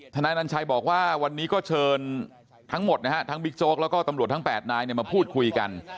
นายนันชัยบอกว่าวันนี้ก็เชิญทั้งหมดนะฮะทั้งบิ๊กโจ๊กแล้วก็ตำรวจทั้ง๘นายมาพูดคุยกัน